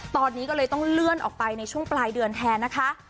ตอนนี้ก็เลยต้องเลื่อนออกไปในช่วงปลายเดือนแทนนะคะ